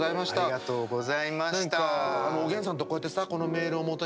ありがとうございます。